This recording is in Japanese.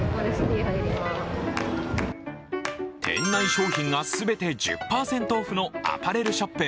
店内商品が全て１０％オフのアパレルショップ